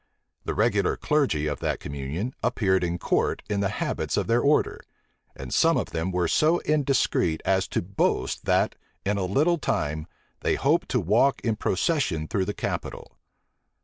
The regular clergy of that communion appeared in court in the habits of their order; and some of them were so indiscreet as to boast, that, in a little time, they hoped to walk in procession through the capital.